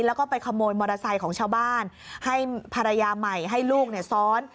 แล้วก็ไปขโมยมอเตอร์ไซค์ของชาวบ้านให้ภรรยาใหม่ให้ลูกเนี่ยซ้อน